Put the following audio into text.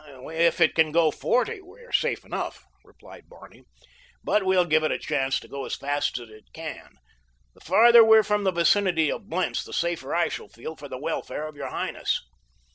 "If it can go forty we are safe enough," replied Barney; "but we'll give it a chance to go as fast as it can—the farther we are from the vicinity of Blentz the safer I shall feel for the welfare of your highness."